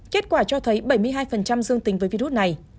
kết quả cho thấy bảy mươi hai dương tính với virus này